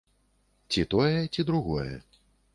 Ці тое, ці другое.